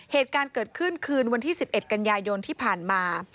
เหตุการณ์เกิดขึ้นคืนวันที่๑๑กันยายนที่ผ่านมา